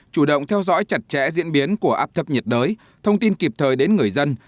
chủ động theo dõi chặt chẽ diễn biến của áp thấp nhiệt đới thông tin kịp thời đến người dân